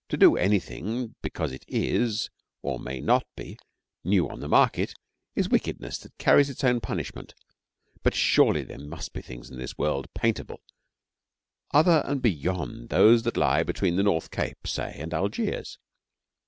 To do anything because it is, or may not be, new on the market is wickedness that carries its own punishment; but surely there must be things in this world paintable other and beyond those that lie between the North Cape, say, and Algiers.